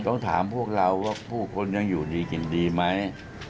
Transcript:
ต้องถามพวกเราว่าผู้คนยังอยู่ดีกินดีไหม